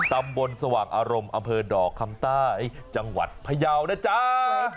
ตำบลสว่างอารมณ์อำเภอดอกคำใต้จังหวัดพยาวนะจ๊ะ